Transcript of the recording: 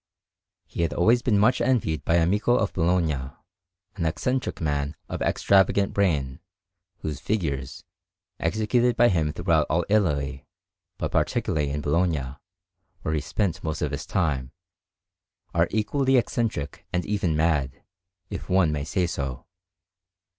He had always been much envied by Amico of Bologna, an eccentric man of extravagant brain, whose figures, executed by him throughout all Italy, but particularly in Bologna, where he spent most of his time, are equally eccentric and even mad, if one may say so.